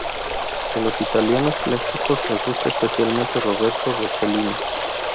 De los italianos clásicos le gusta especialmente Roberto Rossellini.